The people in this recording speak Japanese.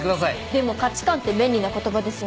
でも価値観って便利な言葉ですよね。